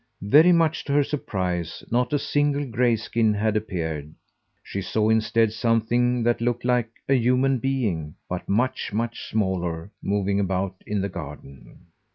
Very much to her surprise, not a single grayskin had appeared. She saw instead something that looked like a human being, but much, much smaller, moving about in the garden.